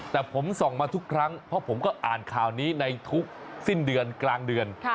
แต่ผมส่องมาทุกครั้งเพราะผมก็อ่านข่าวนี้ในทุกสิ้นเดือนกลางเดือน